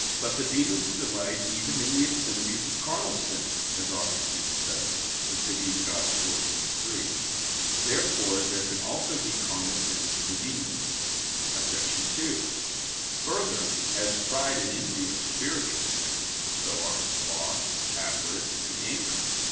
But the demons delight even in the obscenities of carnal sins; as Augustine says (De Civ. Dei xiv, 3). Therefore there can also be carnal sins in the demons. Obj. 2: Further, as pride and envy are spiritual sins, so are sloth, avarice, and anger.